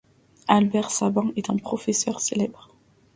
Albert Sabin était un autre professeur célèbre.